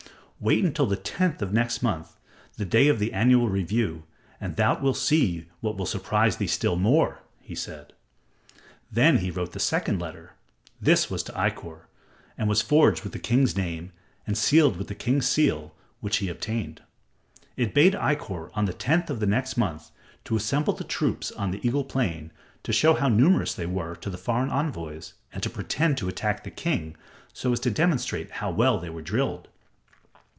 "Wait until the tenth of next month, the day of the annual review, and thou wilt see what will surprise thee still more," he said. Then he wrote the second letter. This was to Ikkor and was forged with the king's name and sealed with the king's seal which he obtained. It bade Ikkor on the tenth of the next month to assemble the troops on the Eagle Plain to show how numerous they were to the foreign envoys and to pretend to attack the king, so as to demonstrate how well they were drilled.